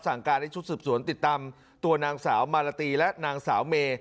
สั่งการให้ชุดสืบสวนติดตามตัวนางสาวมาลาตีและนางสาวเม